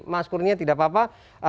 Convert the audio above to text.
mas kurnia tidak apa apa